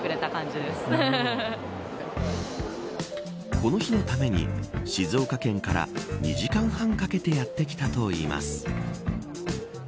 この日のために静岡県から２時間半かけてやって来たといいます。